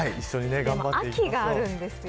でも、秋があるんですよね。